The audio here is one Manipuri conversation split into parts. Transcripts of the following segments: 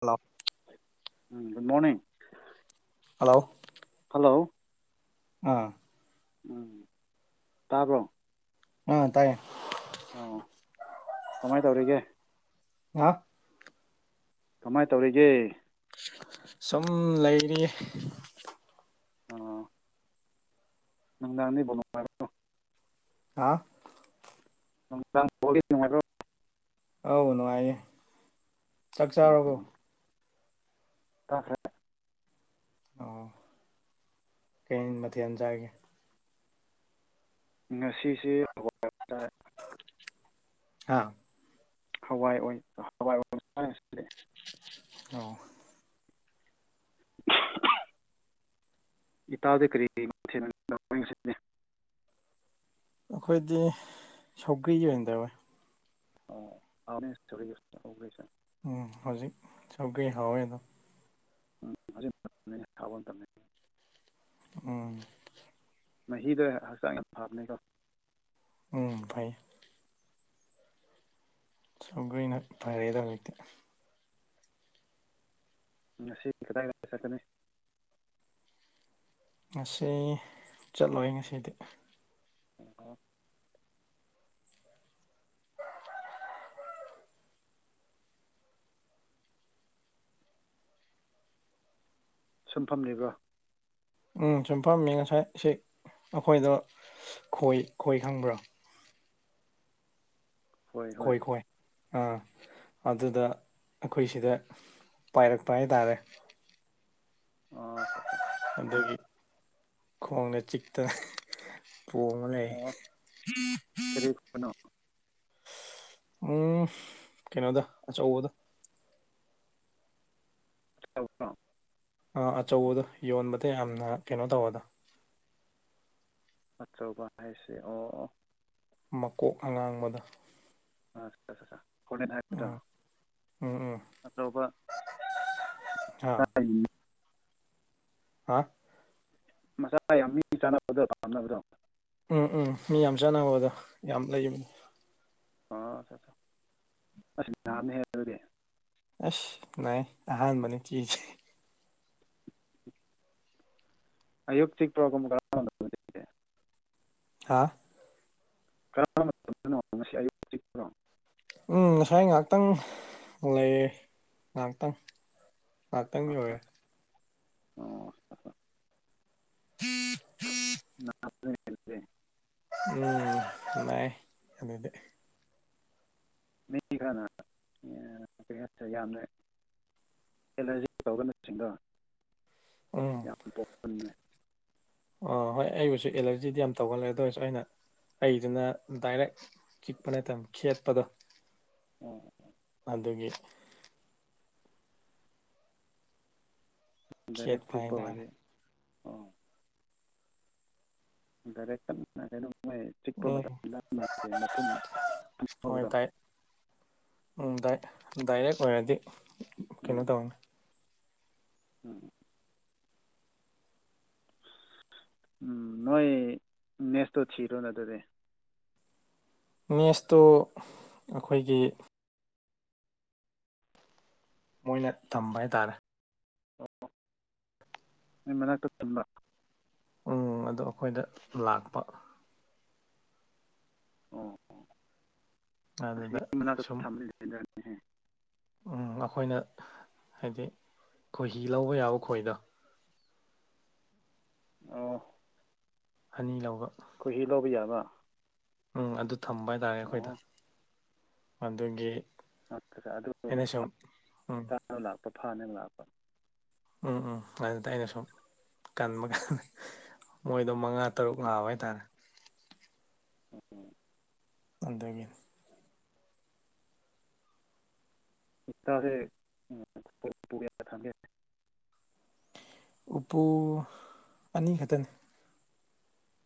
hello um good morning ꯍꯜꯂꯥꯎ hello ꯑꯥ ꯎꯝ ꯇꯥꯕ꯭ꯔꯣ ꯑꯥ ꯇꯥꯏꯌꯦ ꯑꯣ ꯀꯃꯥꯏ ꯇꯧꯔꯤꯒꯦ ꯍꯥ ꯀꯃꯥꯏꯅ ꯇꯧꯔꯤꯒꯦ ꯁꯨꯝ ꯂꯩꯔꯤꯌꯦ ꯑꯥ ꯅꯨꯡꯗꯥꯡꯗꯤ [inaudible] ꯍꯥꯥ ꯑꯃꯨꯛꯇꯪ ꯕꯣꯜꯗꯤ ꯅꯨꯉꯥꯏꯕ꯭ꯔꯣ ꯑꯧ ꯅꯨꯡꯉꯥꯏꯌꯦ ꯆꯛꯆꯥꯔꯕꯣ ꯆꯥꯈ꯭ꯔꯦ ꯑꯣ ꯀꯩ ꯃꯊꯦꯜ ꯆꯥꯒꯦ ꯉꯁꯤꯁꯦ [inaudible] ꯆꯥꯔꯦ ꯍꯥꯥ ꯍꯋꯥꯏ ꯑꯣꯏ ꯍꯋꯥꯏ ꯑꯣꯏ [inaudible] ꯑꯣ [unintelligible] ꯏꯇꯥꯎꯗꯤ ꯀꯔꯤ ꯀꯔꯤ ꯑꯩꯈꯣꯏꯗꯤ ꯁꯧꯒ꯭ꯔꯤ ꯑꯣꯏꯅ ꯇꯧꯋꯦ ꯑꯣ ꯍꯥꯎꯅꯦ [inaudible] ꯎꯝ ꯍꯧꯖꯤꯛ ꯁꯈꯔꯤ ꯍꯥꯎꯋꯦꯗꯣ ꯎꯝ ꯍꯧꯖꯤꯛ ꯃꯇꯝ [inaudible] ꯍꯥꯎꯕ ꯃꯇꯝꯅꯦ ꯎꯝ ꯃꯍꯤꯗ ꯍꯛꯆꯥꯡ ꯌꯥꯝ ꯐꯕꯅꯦꯀꯣ ꯎꯝ ꯐꯩ ꯁꯧꯒ꯭ꯔꯤꯅ ꯐꯔꯦꯗ ꯍꯧꯖꯤꯛꯇꯤ ꯉꯁꯤ ꯀꯗꯥꯏꯗ ꯆꯠꯀꯅꯤ ꯉꯁꯤ ꯆꯠꯂꯣꯏ ꯉꯁꯤꯗꯤ ꯑꯣ ꯁꯨꯝꯐꯝꯂꯤꯕ꯭ꯔꯣ ꯎꯝ ꯁꯨꯝ ꯐꯝꯃꯤ ꯉꯁꯥꯏ ꯁꯤ ꯑꯩꯈꯣꯏꯗ ꯈꯣꯏ ꯈꯣꯏ ꯈꯪꯕ꯭ꯔꯥ ꯍꯣꯏ ꯍꯣꯏ ꯈꯣꯏ ꯈꯣꯏ ꯑꯥ ꯑꯗꯨꯗ ꯑꯩꯈꯣꯏ ꯁꯤꯗ ꯄꯥꯏꯔꯛꯄ ꯍꯥꯏꯇꯥꯔꯦ ꯑꯣ ꯑꯆꯥꯆꯥ ꯑꯗꯨꯒꯤ ꯈꯣꯡꯅ ꯆꯤꯛꯇ [unintelligible] ꯄꯣꯡꯉ ꯂꯩꯌꯦ ꯑꯣ ꯀꯔꯤ [unintelligible] ꯀꯩꯅꯣ ꯎꯝ ꯀꯩꯅꯣꯗ ꯑꯆꯧꯕꯗ [inaudible] ꯑ ꯑꯆꯧꯕꯗꯣ ꯌꯣꯟꯕꯗ ꯌꯥꯝꯅ ꯀꯩꯅꯣ ꯇꯧꯕꯗꯣ ꯑꯆꯧꯕ ꯍꯥꯏꯁꯦ ꯑꯣ ꯑꯣ ꯃꯀꯣꯛ ꯑꯉꯥꯡꯕꯗ ꯍꯣꯔꯅꯦꯦꯟ ꯍꯥꯏꯕꯗꯣ ꯎꯝ ꯎꯝ ꯎꯝ ꯑꯆꯧꯕ ꯍꯥ ꯇ ꯍꯥ ꯃꯆꯥꯥ ꯌꯥꯝ ꯃꯤ ꯆꯥꯅꯕꯗꯣ ꯄꯥꯝꯅꯕ꯭ꯔꯣ ꯎꯝ ꯎꯝ ꯃꯤ ꯌꯥꯝ ꯆꯥꯟꯅꯕ ꯑꯗꯣ ꯌꯥꯝ ꯂꯩꯕꯅꯤ ꯑꯥ ꯑꯁ ꯌꯥꯝꯅ ꯍꯦꯂ ꯑꯗꯨꯗꯤ ꯑꯁ ꯅꯥꯏ ꯑꯍꯥꯟꯕꯅꯤ ꯆꯤꯤꯁꯦ ꯑꯌꯨꯛꯇꯤ ꯄ꯭ꯔꯣꯝ ꯍ ꯍꯥꯥ ꯀꯔꯝꯕ ꯃꯇꯝꯗꯅꯣ ꯉꯁꯤ ꯑꯌꯨꯛꯅꯣ ꯎꯝ ꯉꯁꯥꯏ ꯉꯥꯏꯍꯥꯛꯇꯪ ꯂꯩ ꯉꯥꯏꯍꯥꯛꯇꯪ ꯉꯇꯪ ꯌꯧꯔꯦ ꯑꯣ ꯅꯦꯁꯦ ꯎꯝ ꯥꯏ ꯑꯗꯨꯗꯤ ꯃꯤ ꯈ ꯁ ꯌꯥꯝꯅ ꯑꯦꯂꯔꯖꯤ ꯇꯧꯒ ꯅꯠꯇꯁꯤꯡꯗꯣ ꯎ ꯌꯥꯝ ꯇꯣꯛꯍꯟꯕꯅꯦ ꯑꯣ ꯍꯣꯏ ꯑꯩꯕꯨꯁꯨ ꯑꯦꯂꯔꯖꯤꯗꯤ ꯌꯥꯝ ꯇꯧꯒꯜꯂꯦ ꯑꯗꯨ ꯑꯣꯏꯔꯁꯨ ꯑꯩꯅ ꯑꯩꯗꯨꯅ ꯗꯥꯏꯔꯦꯛ ꯆꯤꯛꯄꯅꯦ ꯇꯝ ꯈꯦꯠꯄꯗ ꯎꯝ ꯑꯗꯒꯤ ꯗꯥꯏꯔꯦꯛ ꯈꯦꯠꯄ ꯇ꯭ꯔꯤꯛꯄ ꯍꯥꯏꯇꯥꯔꯦ ꯑꯣꯏꯁꯩ ꯏꯔꯦꯛꯇꯔꯩꯅ ꯑꯣ ꯍꯣꯏ ꯈꯪꯍꯧꯕ꯭ꯔꯣ ꯗꯥꯏ ꯎꯝ ꯗꯥ ꯗꯥꯏꯔꯦꯛ ꯑꯣꯏꯔꯗꯤ ꯀꯩꯅꯣ ꯎꯝ ꯇꯧꯅꯤ ꯎꯝ ꯎꯝ ꯅꯣꯏ ꯅꯦꯁꯇꯣ ꯊꯤꯔꯣꯅ ꯑꯗꯨꯗꯤ ꯅꯦꯁꯇꯨ ꯑꯩꯈꯣꯏꯒꯤ ꯃꯣꯏꯅ ꯊꯝꯕ ꯍꯥꯏꯇꯥꯔꯦ ꯑꯣ ꯃꯅꯥꯛꯇ ꯆꯟꯕ ꯎꯝ ꯑꯗꯣ ꯑꯩꯈꯣꯏꯗ ꯂꯥꯛꯄ ꯑꯣꯝ ꯎ ꯑꯗꯨꯗ ꯁꯨꯝ ꯊꯝꯕ ꯂꯩꯗꯥꯏꯅꯦꯍꯦ ꯎꯝ ꯑꯩꯈꯣꯏꯅ ꯍꯥꯏꯗꯤ ꯈꯣꯏꯍꯤ ꯂꯧꯕ ꯌꯥꯕ ꯈꯣꯏꯗꯣ ꯑ ꯑꯅꯤ ꯂꯧꯕ ꯈꯨꯣꯏꯍꯤ ꯂꯧꯕ ꯌꯥꯕ ꯎꯝ ꯑꯗꯨ ꯊꯝꯕ ꯍꯥꯏꯇꯥꯔꯦ ꯑꯩꯈꯣꯏꯗ ꯑꯣ ꯑꯗꯨꯒꯤ ꯑꯩꯅ ꯁꯨꯝ ꯎꯝ ꯑꯗꯨꯥ ꯂꯥꯛꯄ ꯐꯅꯦ ꯂꯥꯛꯄ ꯎꯝ ꯎꯝ ꯑꯗꯨꯗ ꯑꯩꯅ ꯁꯨꯝ ꯀꯟꯕ ꯀꯥꯟ ꯃꯣꯏꯗꯣ ꯃꯉꯥ ꯇꯔꯨꯛ ꯂꯥꯛꯑꯕ ꯍꯥꯏꯇꯥꯔꯦ ꯎꯝ ꯎꯝ ꯄꯟꯗꯒꯤ ꯏꯁꯥꯁꯦ ꯎꯝ ꯄꯨ ꯊꯝꯒꯦꯦ ꯎꯄꯨ ꯑꯅꯤ ꯈꯛꯇꯅꯤ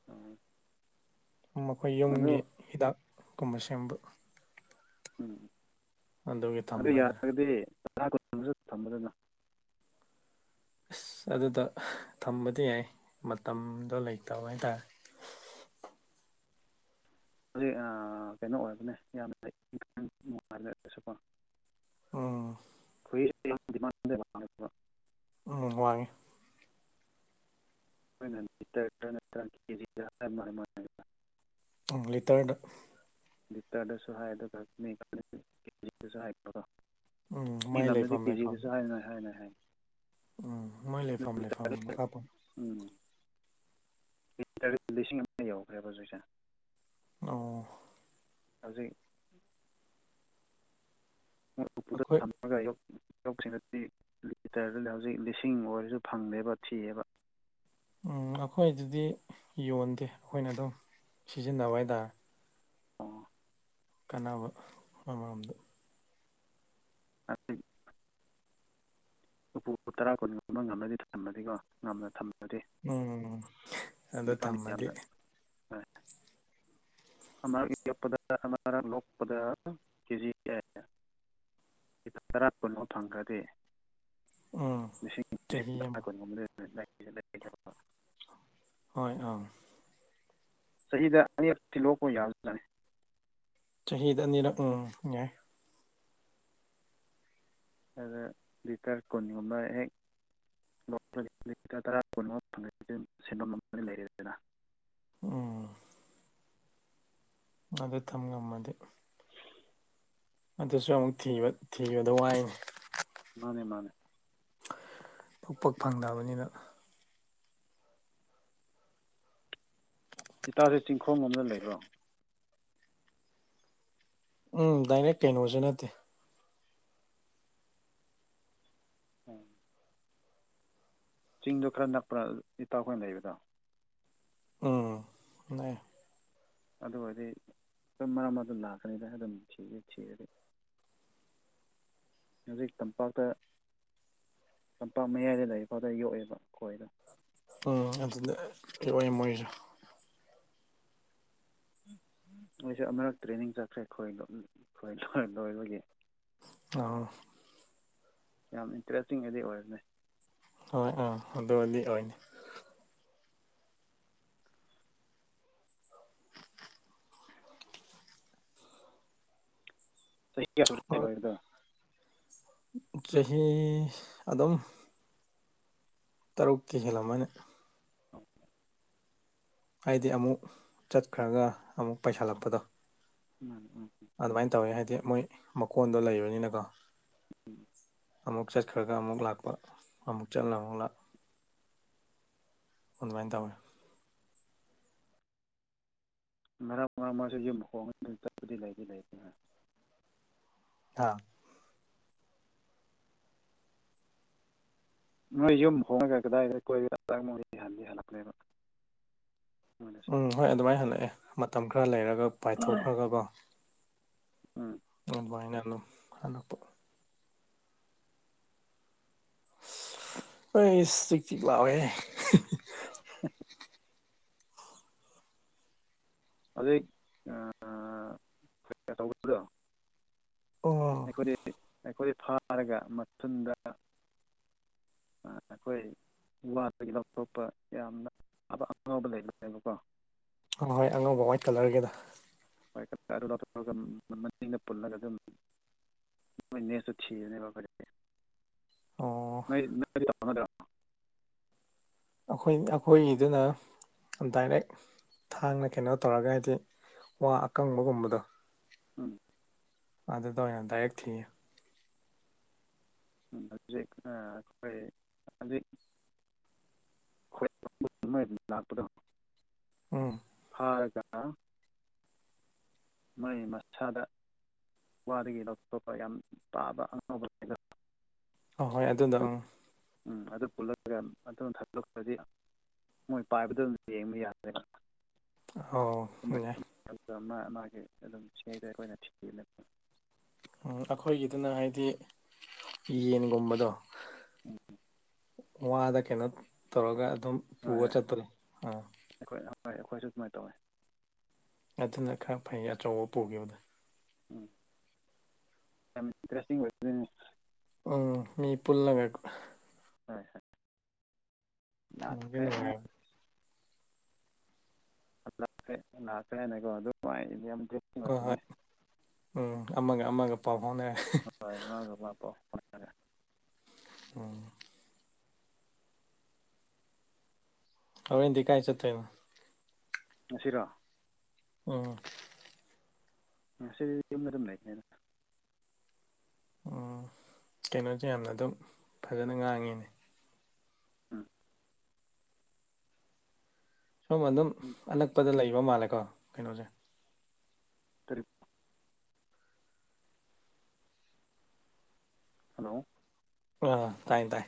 ꯎꯝ ꯃꯈꯣꯏ ꯑꯗꯨ ꯌꯨꯝꯒꯤ ꯍꯤꯗꯥꯛꯀꯨꯝꯕ ꯁꯦꯝꯕ ꯎꯝ ꯑꯗꯨꯒꯤ ꯑꯗꯨ ꯊꯝꯕ ꯍꯥꯏꯇꯥꯔꯦ ꯌꯥꯔꯒꯗꯤ ꯇꯥ ꯀꯨꯟ ꯑꯃꯁꯨ ꯊꯝꯕꯗꯅ ꯑꯁ ꯑꯗꯨꯗ ꯊꯝꯕꯗꯤ ꯌꯥꯏ ꯃꯇꯝꯗꯣ ꯂꯩꯇꯕ ꯍꯥꯏꯇꯥꯔꯦ ꯍꯧꯖꯤꯛ ꯀꯩꯅꯣ ꯑꯣꯏꯔꯕꯅꯦ ꯌꯥꯝ ꯅꯨꯡꯉꯥꯏꯅꯔꯒꯁꯨꯀꯣ ꯎꯝ [unintelligible] ꯎꯅꯨꯡ ꯋꯥ ꯑꯩꯈꯣꯏꯅꯦꯖꯤꯗ ꯂꯤꯇꯔꯗ ꯂꯤꯕꯤꯇꯔꯗꯁꯨ ꯍꯥꯏ ꯑꯦꯗꯁꯨ ꯍꯥꯏ ꯎꯝ ꯑ ꯃꯥꯏ ꯂꯝꯗꯗꯤ ꯂꯩꯐꯝ ꯂꯩꯐꯝ ꯀꯦꯖꯤꯗꯁꯨ ꯍꯥꯏꯣꯏ ꯍꯥꯏꯅꯣꯏ ꯍꯥꯏ ꯎꯝ ꯃꯣꯏ ꯂꯦ ꯑꯗꯨ ꯐꯝ ꯂꯦ ꯐꯝ ꯂꯤꯇꯔꯗ ꯐꯄꯥꯎ ꯎꯝ ꯂꯤꯇꯔ ꯂꯤꯁꯤꯡ ꯑꯃ ꯌꯧꯈ꯭ꯔꯦꯕ ꯍꯧꯖꯤꯛꯁꯦ ꯑꯣ ꯍꯧꯖꯤꯩ ꯄꯨꯗ ꯑꯩꯈꯣꯏ ꯊꯝꯅꯕꯒ ꯂꯧꯁꯤꯡꯗꯗꯤ ꯂꯤꯇꯔꯗꯗꯤ ꯍꯧꯖꯤꯛ ꯂꯤꯁꯤꯡ ꯑꯣꯏꯔꯁꯨ ꯐꯪꯗꯦꯕ ꯊꯤꯑꯕ ꯎꯝ ꯑꯩꯈꯣꯏ ꯑꯗꯨꯗꯤ ꯌꯣꯟꯗꯦ ꯑꯩꯈꯣꯏꯅ ꯑꯗꯨꯝ ꯁꯤꯖꯤꯟꯅꯕ ꯍꯥꯏꯇꯥꯔꯦ ꯑꯣ ꯀꯥꯟꯅꯕ ꯑꯃꯃꯔꯝꯗ ꯑ ꯂꯨꯐꯨ ꯇꯔꯥ ꯀꯨꯟꯒꯨꯝꯕ ꯉꯝꯃꯗꯤ ꯊꯝꯃꯗꯤꯀꯣ ꯉꯝꯅ ꯊꯝꯝꯕ ꯎꯝ ꯑꯗꯣ ꯏꯟꯀꯝ ꯊꯝꯃꯗꯤ ꯌꯥꯝꯅ ꯄꯗ ꯂꯣꯛꯄꯗ ꯀꯦꯖꯤ ꯂꯤ ꯇꯔꯥ ꯀꯨꯟꯣ ꯐꯪꯈ꯭ꯔꯗꯤ ꯎꯝ ꯂꯤ ꯂꯤꯁꯤꯡ ꯆꯍꯤ ꯇꯥ ꯑꯃ ꯀꯨꯟꯒꯨꯝꯕ ꯍꯣꯏ ꯑꯥ ꯆꯍꯤꯗ ꯑꯅꯤꯌꯦꯛ ꯊꯤꯂꯣꯛꯄꯥꯎ ꯌꯥꯕꯅꯤ ꯆꯍꯤꯗ ꯑꯅꯤꯔꯛ ꯎꯝ ꯌꯥꯏ ꯑꯗ ꯂꯤꯇꯔ ꯀꯨꯟꯒꯨꯝꯕ ꯍꯦꯛ ꯇꯔꯥ ꯀꯨꯟꯃ ꯐꯪꯅꯤ ꯁꯦꯟꯐꯝ ꯑꯃ ꯂꯩꯔꯗꯅ ꯎꯝ ꯃꯗꯨ ꯊꯝ ꯉꯝꯃꯗꯤ ꯑꯗꯨꯁꯨ ꯑꯃꯨꯛ ꯊꯤꯕꯗ ꯋꯥꯏꯅꯤ ꯃꯥꯅꯦ ꯃꯥꯅꯦ ꯄꯣꯛꯄꯛ ꯐꯪꯗꯕꯅꯤꯅ ꯏꯇꯥꯁꯦ ꯆꯤꯡꯈꯣꯡ ꯑꯃꯝꯗ ꯂꯩꯕ꯭ꯔꯣ ꯎꯝ ꯗꯥꯏꯔꯦꯛ ꯀꯩꯅꯣꯁꯨ ꯅꯠꯇꯦ ꯎꯝ ꯆꯤꯡꯗꯣ ꯈꯔ ꯅꯛꯄ ꯏꯇꯥꯎꯈꯣꯏꯅ ꯂꯩꯕꯗꯣ ꯎꯝ ꯑꯗꯨ ꯑꯣꯏꯔꯗꯤ ꯑꯗꯨꯝ ꯃꯔꯝ ꯑꯗꯨ ꯂꯥꯛꯀꯅꯤꯗ ꯑꯗꯨꯝ ꯊꯤꯒ ꯊꯔꯗꯤ ꯍꯧꯖꯤꯛ ꯇꯝꯄꯥꯛꯇ ꯂꯝꯄꯥꯛ ꯃꯌꯥꯏꯗ ꯂꯩꯔꯤꯐꯥꯎꯗ ꯌꯣꯛꯑꯦꯕ ꯈꯣꯏꯔ ꯎꯝ ꯑꯗꯨꯗ ꯀ ꯑꯣꯏ ꯃꯣꯏꯁꯨ ꯑꯩꯣꯏꯁꯦ ꯑꯃꯨꯔꯛ ꯇ꯭ꯔꯦꯅꯤꯡ ꯆꯠꯈ꯭ꯔꯦ ꯈꯣꯏ ꯈꯣꯏ ꯂꯣꯏ ꯂꯣꯏꯕꯣꯏꯒꯤ ꯑꯥ ꯌꯥꯝ ꯏꯟꯇꯔꯦꯁꯇꯤꯡꯒꯗꯤ ꯑꯣꯏꯔꯅꯦ ꯍꯣꯏ ꯑꯥ ꯑꯗꯨ ꯑꯣꯏꯗꯤ ꯑꯣꯏ ꯆꯍꯤ ꯍꯣꯏ [unintelligible] ꯆꯍꯤ ꯑꯗꯨꯝ ꯇꯔꯨꯛꯀꯤ ꯍꯦꯜꯂꯝꯃꯅꯤ ꯍꯥꯏꯗꯤ ꯑꯃꯨꯛ ꯆꯠꯈ꯭ꯔꯒ ꯑꯃꯨꯛ ꯄꯩꯁꯜꯂꯛꯄꯗꯣ ꯎꯝ ꯎꯝ ꯑꯗꯨꯃꯥꯏꯅ ꯇꯧꯋꯤ ꯍꯥꯏꯗꯤ ꯃꯣꯏ ꯃꯀꯣꯟꯗꯣ ꯂꯩꯕꯅꯤꯅꯀꯣ [inaudible] ꯑꯃꯨꯛ ꯆꯠꯈ꯭ꯔꯒ ꯑꯃꯨꯛ ꯂꯥꯛꯄ ꯑꯃꯨꯛ ꯆꯠꯂ ꯑꯃꯨꯛ ꯂꯥꯛ ꯑꯗꯨꯃꯥꯏꯅ ꯇꯧꯋꯦ ꯉꯥꯡ ꯃꯔꯥꯡ ꯃꯥꯁꯨ ꯌꯨꯝ ꯍꯣꯡꯉ ꯑꯗꯨ ꯆꯠꯄꯗꯤ ꯂꯩꯗꯤ ꯂꯩꯇꯦ [unintelligible] ꯅꯣꯏ ꯌꯨꯝ ꯍꯣꯡꯉꯒ ꯀꯗꯥꯏꯗ ꯀꯣꯏꯔꯦ [unintelligible] ꯍꯟꯗꯤ ꯍꯜꯂꯛꯄꯅꯦꯕ ꯎꯝ ꯍꯣꯏ ꯑꯗꯨꯃꯥꯏꯅ ꯍꯜꯂꯛꯑꯦ ꯃꯇꯝ ꯈꯔ ꯂꯩꯔꯒ ꯄꯥꯏꯊꯣꯛꯈ꯭ꯔꯒꯀꯣ ꯎꯝ ꯑꯗꯨꯃꯥꯏꯅ ꯑꯗꯨꯝ ꯍꯜꯂꯛꯄ ꯑꯩꯁ ꯆꯇꯤꯛꯇꯤꯛ ꯂꯥꯎꯋꯦ [inaudible] ꯑꯗꯨ [unintelligible] ꯑꯣ ꯑꯩꯈꯣꯏ ꯑꯩꯈꯣꯏ ꯐꯥꯔꯒ ꯃꯊꯨꯟꯗ ꯑꯩꯈꯣꯏ ꯋꯥꯗꯒꯤ ꯂꯧꯊꯣꯛꯄ ꯌꯥꯝꯅ ꯑꯕ ꯑꯉꯥꯎꯕ ꯂꯩꯕꯅꯦꯀꯣ ꯑ ꯍꯣꯏ ꯑꯉꯧꯕ ꯋꯥꯏꯠ ꯀꯂꯔꯒꯤꯗ [unintelligible] ꯄꯨꯂꯒ ꯑꯗꯨ ꯑꯣ [unintelligible] ꯑꯩꯈꯣꯏ ꯑꯩꯈꯣꯏꯒꯤꯗꯨꯅ ꯗꯥꯏꯔꯦꯛ ꯊꯥꯡꯅ ꯀꯩꯅꯣ ꯇꯧꯔꯒ ꯍꯥꯏꯗꯤ ꯋꯥ ꯑꯀꯪꯕꯒꯨꯝꯕꯗꯣ ꯎꯝ ꯑꯗꯨꯗ ꯑꯣꯏꯅ ꯗꯥꯏꯛ ꯊꯤꯉ [unintelligible] ꯑꯩꯈꯣꯏ [unintelligible] ꯂꯥꯛꯄꯗ ꯎꯝ ꯐꯥꯔꯀ ꯃꯣꯏ ꯃꯁꯥꯗ ꯋꯥꯗꯒꯤ ꯂꯧꯊꯣꯛꯄ ꯌꯥꯝ ꯄꯥꯕ ꯑꯉꯥꯎꯕ ꯂꯩꯗ ꯑꯍꯣꯏ ꯑꯗꯨꯅꯥ ꯎꯝ ꯎꯝ ꯑꯗꯨ ꯄꯨꯜꯂꯒ ꯑꯗꯨꯝ ꯊꯥꯂꯣꯛꯇ꯭ꯔꯗꯤ ꯃꯣꯏ ꯄꯥꯏꯕꯗ ꯑꯗꯨꯝ ꯌꯦꯡꯕ ꯌꯥꯗ꯭ꯔꯦꯕ ꯑꯧ ꯌꯥꯏ [unintelligible] ꯑꯗꯨꯝ [unintelligible] ꯑꯩꯈꯣꯏꯅ ꯊꯤ [unintelligible] ꯑꯩꯈꯣꯏꯒꯤꯗꯨꯅ ꯍꯥꯏꯗꯤ ꯌꯦꯟꯒꯨꯝꯕꯗꯣ [inaudible] ꯋꯥꯗ ꯀꯩꯅꯣ ꯇꯧꯔꯒ ꯑꯗꯨꯝ ꯍꯣꯏ ꯍꯣꯏ ꯄꯨꯔ ꯆꯠꯄꯗꯣ ꯑꯥ ꯑꯩꯈꯣꯏ ꯍꯣꯏ ꯑꯩꯈꯣꯏꯁꯨ ꯑꯗꯨꯃꯥꯏꯅ ꯇꯧꯋꯤ ꯑꯗꯨꯅ ꯈꯔ ꯐꯩ ꯑꯆꯧꯕ ꯄꯨꯈꯤꯕꯗꯣ ꯎꯝ ꯌꯥꯝ ꯏꯟꯇ꯭ꯔꯦꯁꯇꯤꯡ ꯑꯣꯏ ꯎꯝ ꯃꯤ ꯄꯨꯜꯂꯒꯥ ꯍꯣꯏ ꯍꯣꯏ ꯂꯥꯛꯈ꯭ꯔꯦ ꯑꯃꯨꯛ [unintelligible] [unintelligible] ꯍꯣꯏ ꯍꯣꯏ ꯎꯝ ꯑꯃꯒ ꯑꯃꯒ ꯄꯥꯎ ꯐꯥꯎꯅꯔꯦ ꯍꯣꯏ ꯃꯥꯒ [unintelligible] ꯅꯔꯦ ꯎꯝ ꯍꯣꯔꯦꯟꯗꯤ ꯀꯥꯏ ꯆꯠꯇꯣꯏꯅꯣ ꯉꯁꯤꯔꯣ ꯑꯝ ꯉꯁꯤ ꯌꯨꯝꯗ ꯑꯗꯨꯝ ꯂꯩꯅꯤꯗ [unintelligible] ꯀꯩꯅꯣꯁꯦ ꯌꯥꯝꯅ ꯑꯗꯨꯝ ꯐꯖꯅ ꯉꯥꯡꯉꯤꯅꯦ ꯎꯝ ꯁꯣꯝ ꯑꯗꯨꯝ ꯎꯝ ꯑꯅꯛꯄꯗ ꯂꯩꯕ ꯃꯥꯜꯂꯦꯀꯣ ꯀꯩꯅꯣꯁꯦ [unintelligible] ꯍꯜꯂꯣ ꯑꯣ ꯇꯥꯏ ꯇꯥꯏ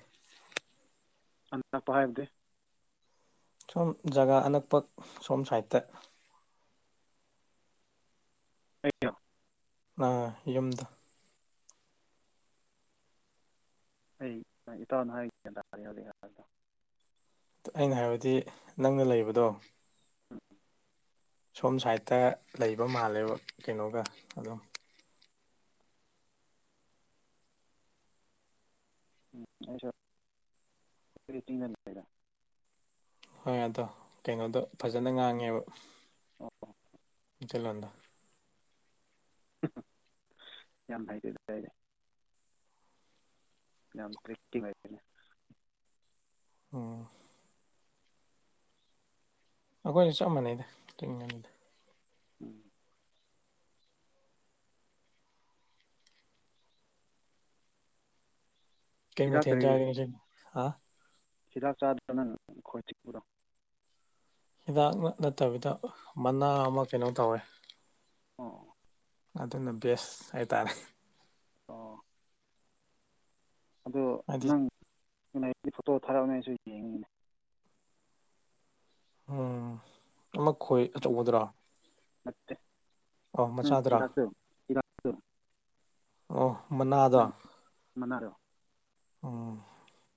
ꯑꯟꯛꯄ ꯍꯥꯏꯕꯗꯤ ꯁꯣꯝ ꯖꯒꯥ ꯑꯅꯛꯄ ꯁꯣꯝ ꯁꯥꯏꯠꯇ ꯑꯩꯔꯣ ꯑꯥ ꯌꯨꯝꯗꯣ ꯑꯩ ꯏꯇꯥꯎꯅ ꯍꯥꯏ [unintelligible] ꯑꯩꯅ ꯍꯥꯏꯕꯗꯤ ꯅꯪꯅ ꯂꯩꯕꯗꯣ ꯎꯝ ꯁꯣꯝ ꯁꯥꯏꯠꯇ ꯂꯩꯕ ꯃꯥꯜꯂꯦꯕ ꯀꯩꯅꯣꯒ ꯑꯗꯨꯝ [unintelligible] ꯑꯩꯁꯨ [unintelligible] ꯍꯣꯏ ꯑꯗꯣ ꯀꯩꯅꯣꯗꯣ ꯎꯝ ꯐꯖꯅ ꯉꯥꯡꯉꯦꯕ [unintelligible] [unintelligible] [unintelligible] ꯌꯥꯝ ꯍꯥꯏ [unintelligible] ꯌꯥꯝ [unintelligible] ꯑꯣ ꯑꯩꯈꯣꯏꯁꯨ ꯆꯞ ꯃꯥꯟꯅꯩꯗ [unintelligible] ꯎꯝ ꯀꯩ ꯁꯤꯔꯥ ꯃꯊꯦꯟ ꯀꯔꯤ ꯆꯥꯔꯒꯦ ꯉꯁꯤꯗꯤ ꯍꯥ ꯍꯤꯗꯥꯛ ꯆꯥꯗꯕ꯭ꯔꯣ ꯅꯪ ꯈꯣꯏ ꯆꯤꯡꯕꯗꯣ ꯍꯤꯗꯥꯛ ꯅꯠꯇꯕꯤꯗ ꯃꯅꯥ ꯑꯃ ꯀꯩꯅꯣ ꯇꯧꯋꯦ ꯑꯣ ꯑꯗꯨꯅ ꯕꯦꯁ ꯍꯥꯏꯇꯥꯔꯦ ꯑꯣ ꯑꯗꯨ ꯍꯥꯏꯗꯤ ꯅꯪ [unintelligible] ꯐꯣꯇꯣ ꯊꯥꯔꯛꯎꯅꯦ ꯑꯩꯁꯨ ꯌꯦꯡꯒꯦꯅꯦ ꯎꯝ ꯑꯃ ꯈꯣꯏ ꯑꯆꯧꯕꯗꯨꯔꯥ ꯅꯠꯇꯦ ꯑꯣ ꯅꯪ ꯃꯆꯥꯗꯨꯔꯥ ꯍꯤꯗꯥꯛꯇꯣ ꯍꯤꯗꯥꯛꯇꯣ ꯑꯣ ꯃꯅꯥꯗꯣ ꯃꯅꯥꯔꯣ ꯎꯝ